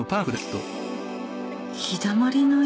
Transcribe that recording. ひだまりの家？